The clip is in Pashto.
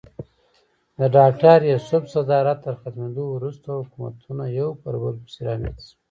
د ډاکټر یوسف صدارت تر ختمېدو وروسته حکومتونه یو پر بل پسې رامنځته شول.